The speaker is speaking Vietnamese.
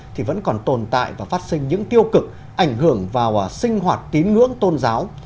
thì vẫn còn tồn tại và phát sinh những tiêu cực ảnh hưởng vào sinh hoạt tín ngưỡng tôn giáo